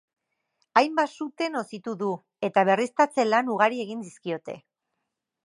Hainbat sute nozitu du, eta berriztatze-lan ugari egin dizkiote.